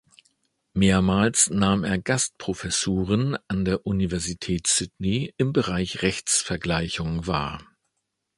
Mehrmals nahm er Gastprofessuren an der Universität Sydney im Bereich Rechtsvergleichung wahr.